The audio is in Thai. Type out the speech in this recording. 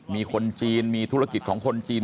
มีคนจีนมีธุรกิจของคนจีน